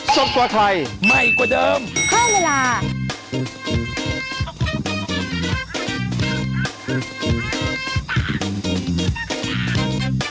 สวัสดีค่ะ